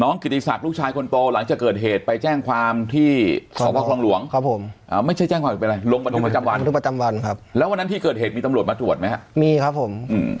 กิติศักดิ์ลูกชายคนโตหลังจากเกิดเหตุไปแจ้งความที่สพคลองหลวงครับผมไม่ใช่แจ้งความผิดเป็นอะไรลงบันทึกประจำวันครับแล้ววันนั้นที่เกิดเหตุมีตำรวจมาตรวจไหมครับมีครับผม